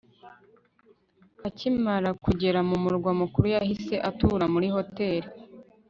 akimara kugera mu murwa mukuru, yahise atura muri hoteri